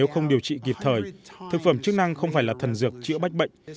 trong điều trị kịp thời thực phẩm chức năng không phải là thần dược chữa bách bệnh